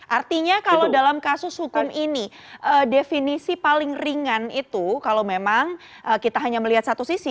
artinya kalau dalam kasus hukum ini definisi paling ringan itu kalau memang kita hanya melihat satu sisi